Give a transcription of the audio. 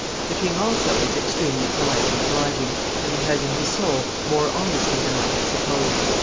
The king, also, is extremely polite and obliging, and he has in his soul more honesty than I had supposed.